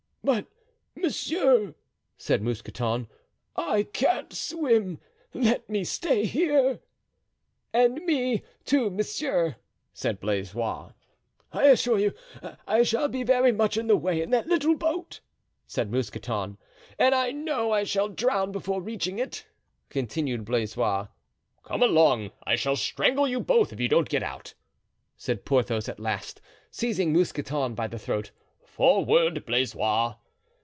"But, monsieur," said Mousqueton, "I can't swim; let me stay here." "And me, too, monsieur," said Blaisois. "I assure you, I shall be very much in the way in that little boat," said Mousqueton. "And I know I shall drown before reaching it," continued Blaisois. "Come along! I shall strangle you both if you don't get out," said Porthos at last, seizing Mousqueton by the throat. "Forward, Blaisois!"